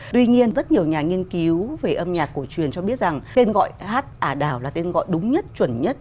tuy nhiên rất nhiều nhà nghiên cứu về âm nhạc cổ truyền cho biết rằng tên gọi hát ả đảo là tên gọi đúng nhất chuẩn nhất